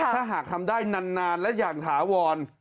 ถ้าหากทำได้นานและอย่างถาวร